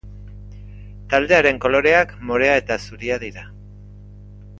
Taldearen koloreak morea eta zuria dira.